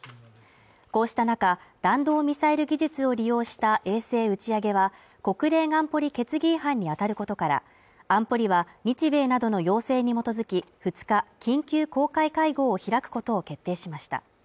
こうした中、弾道ミサイル技術を利用した衛星打ち上げは国連安保理決議違反に当たることから安保理は日米などの要請に基づき、２日緊急公開会合を開くことを決定しました。